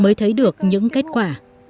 để tôi thấy được những kết quả